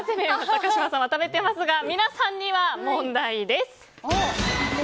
高嶋さんは食べていますが皆さんには問題です。